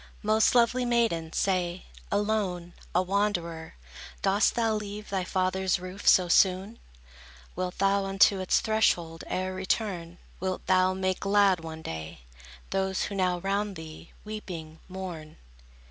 Most lovely maiden, say! Alone, a wanderer, dost thou leave Thy father's roof so soon? Wilt thou unto its threshold e'er return? Wilt thou make glad one day, Those, who now round thee, weeping, mourn?